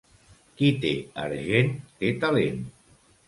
Qui té argent, té talent.